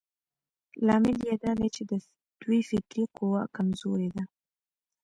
لامل يې دا دی چې د دوی فکري قوه کمزورې ده.